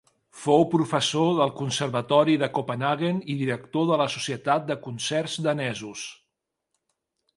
Fou professor del Conservatori de Copenhaguen i director de la Societat de Concerts Danesos.